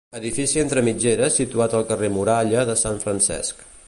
Edifici entre mitgeres situat al carrer Muralla de Sant Francesc.